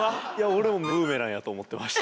俺もブーメランやと思ってました。